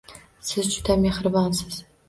Siz juda mehribonsiz.